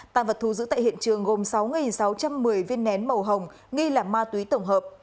tăng vật thu giữ tại hiện trường gồm sáu sáu trăm một mươi viên nén màu hồng nghi là ma túy tổng hợp